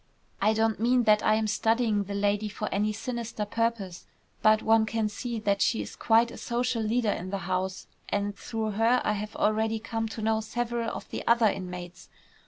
I don't mean that I am studying the lady for any sinister purpose, but one can see that she is quite a social leader in the house, and through her I have already come to know several of the other inmates.